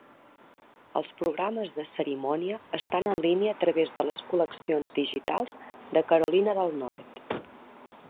Els programes de cerimònia estan en línia a través de les col·leccions digitals de Carolina del Nord.